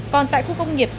còn tại khu công nghiệp giang